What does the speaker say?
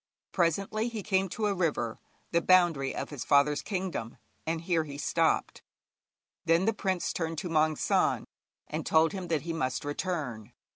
Presently he came to a river, the boundary of his father's kingdom, and here he stopped. Then the prince turned to Maung San, and told him that he must return.